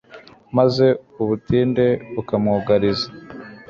maze ubutindi bukamwugariza